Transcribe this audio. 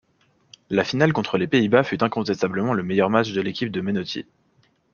La finale contre les Pays-Bas fut incontestablement le meilleur match de l'équipe de Menotti.